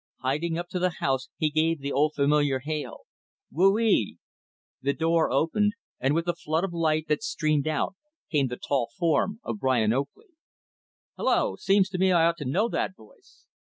Hiding up to the house, he gave the old familiar hail, "Whoo e e." The door opened, and with the flood of light that streamed out came the tall form of Brian Oakley. "Hello! Seems to me I ought to know that voice."